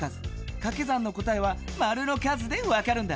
かけ算の答えはマルの数でわかるんだ。